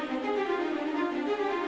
nanti kita ke rumah